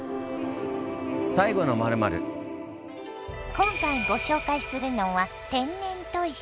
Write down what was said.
今回ご紹介するのは天然砥石。